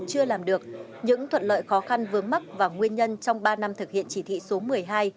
chưa làm được những thuận lợi khó khăn vướng mắt và nguyên nhân trong ba năm thực hiện chỉ thị số một mươi hai